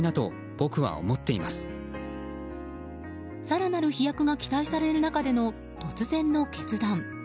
更なる飛躍が期待される中での突然の決断。